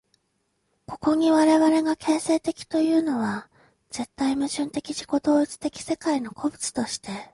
ここに我々が形成的というのは、絶対矛盾的自己同一的世界の個物として、